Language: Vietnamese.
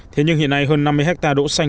thế nhưng hiện nay hơn năm mươi hectare đỗ xanh